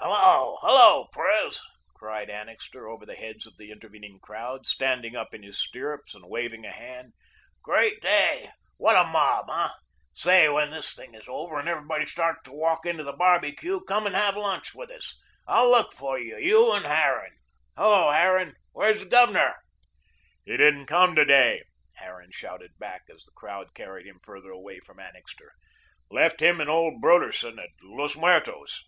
"Hello, hello, Pres," cried Annixter, over the heads of the intervening crowd, standing up in his stirrups and waving a hand, "Great day! What a mob, hey? Say when this thing is over and everybody starts to walk into the barbecue, come and have lunch with us. I'll look for you, you and Harran. Hello, Harran, where's the Governor?" "He didn't come to day," Harran shouted back, as the crowd carried him further away from Annixter. "Left him and old Broderson at Los Muertos."